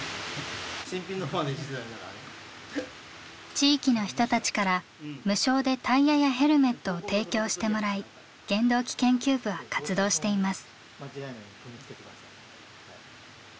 地域の人たちから無償でタイヤやヘルメットを提供してもらい原動機研究部は活動しています。